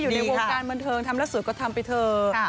อยู่ในวงการบันเทิงทำแล้วสวยก็ทำไปเถอะ